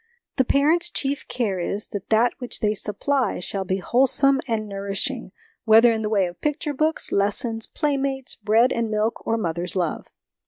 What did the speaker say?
The parents' chief care is, that that which they supply shall be wholesome and nourishing, whether in the way of picture books, lessons, playmates, bread and milk, or mother's love.